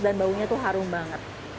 dan baunya tuh harum banget